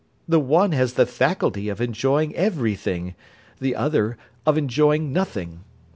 The one has the faculty of enjoying every thing, the other of enjoying nothing.